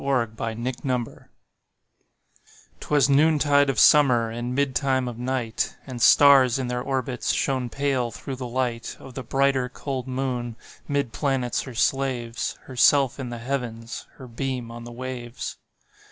1827 Evening Star 'Twas noontide of summer, And midtime of night, And stars, in their orbits, Shone pale, through the light Of the brighter, cold moon. 'Mid planets her slaves, Herself in the Heavens, Her beam on the waves.